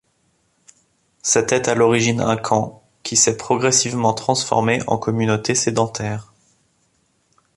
C'était à l'origine un camp, qui s'est progressivement transformé en communauté sédentaire.